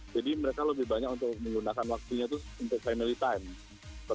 jadi mereka lebih banyak untuk menggunakan waktunya untuk family time